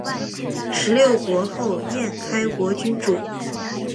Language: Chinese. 十六国后燕开国君主。